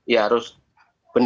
ya harus benar